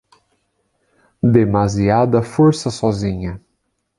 Demasiada força sozinha.